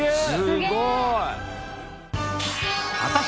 すごい！